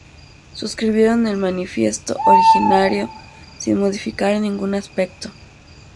Suscribieron el manifiesto originario sin modificar ningún aspecto.